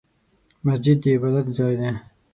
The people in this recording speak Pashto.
مسجد د عبادت ځای دی